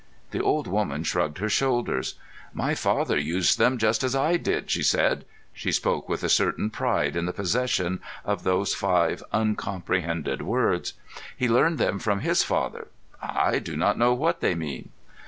The old woman shrugged her shoulders. "My father used them just as I did," she said. She spoke with a certain pride in the possession of those five uncomprehended words. "He learned them from his father. I do not know what they mean."